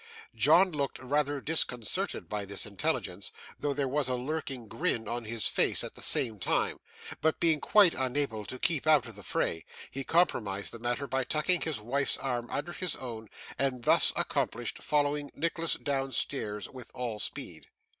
John looked rather disconcerted by this intelligence, though there was a lurking grin on his face at the same time; but, being quite unable to keep out of the fray, he compromised the matter by tucking his wife's arm under his own, and, thus accompanied, following Nicholas downstairs with all speed.